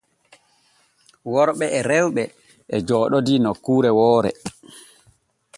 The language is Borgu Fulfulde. Worɓe e rewɓe e jooɗodii nokkure woore.